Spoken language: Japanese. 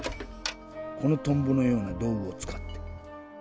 このトンボのようなどうぐをつかって。